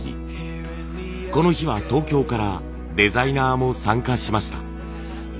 この日は東京からデザイナーも参加しました。